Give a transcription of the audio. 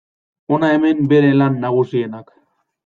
Hona hemen bere lan nagusienak.